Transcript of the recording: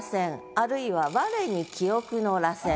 あるいは「吾に記憶の螺旋」。